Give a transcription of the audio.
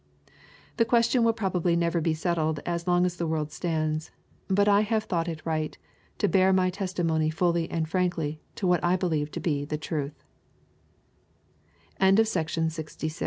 The question will probably never be settled as long as the world stands, but I have thought it right to bear my testimony fully and frankly to what I beheve to b